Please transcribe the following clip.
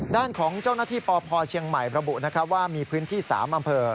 ด้านของเจ้าหน้าที่ปพเชียงใหม่ระบุว่ามีพื้นที่๓อำเภอ